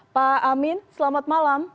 pak amin selamat malam